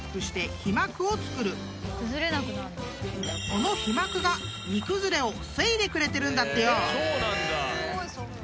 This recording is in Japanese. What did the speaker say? ［この皮膜が煮崩れを防いでくれてるんだってよ］